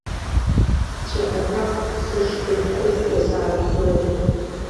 Цәаҳәақәак сышрызхәыцуа сааԥсоит.